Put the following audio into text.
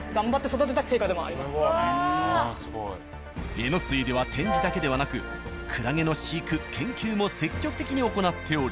えのすいでは展示だけではなくクラゲの飼育・研究も積極的に行っており。